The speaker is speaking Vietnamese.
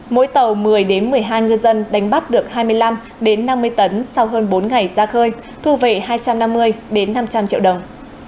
mỗi tàu một mươi một mươi hai ngư dân đánh bắt được hai mươi năm năm mươi tấn sau hơn bốn ngày ra khơi thu về hai trăm năm mươi năm trăm linh triệu đồng